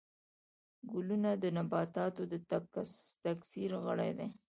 ګلونه د نباتاتو د تکثیر غړي دي